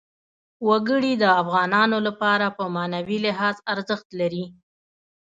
وګړي د افغانانو لپاره په معنوي لحاظ ارزښت لري.